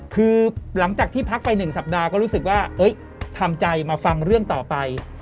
คือหลังจากที่พักไป๑สัปดาห์ก็รู้สึกว่าทำใจมาฟังเรื่องต่อไป